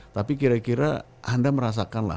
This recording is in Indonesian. tapi kira kira anda merasakan lah